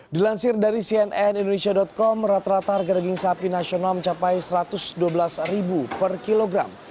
dilansir dari cnn indonesia com rata rata harga daging sapi nasional mencapai rp satu ratus dua belas per kilogram